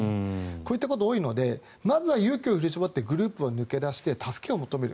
こういったことは多いのでまずは勇気を振り絞ってグループを抜け出して助けを求める。